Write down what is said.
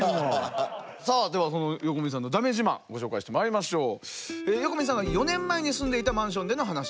さあではその横見さんのだめ自慢ご紹介してまいりましょう。